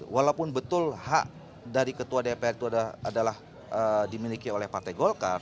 walaupun betul hak dari ketua dpr itu adalah dimiliki oleh partai golkar